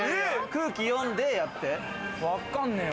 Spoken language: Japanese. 空気読んでやって。